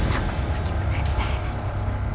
aku semakin penasaran